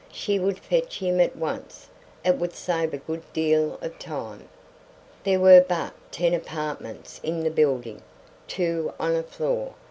She would fetch him at once. It would save a good deal of time. There were but ten apartments in the building, two on a floor.